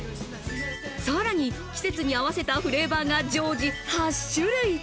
さらに季節に合わせたフレーバーが常時８種類。